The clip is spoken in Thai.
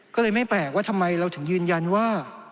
ก็เลยไม่แปลกว่าทำไมเราถึงยืนยันว่า